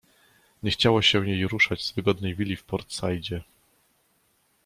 Nie chciało się jej ruszać z wygodnej willi w Port-Saidzie.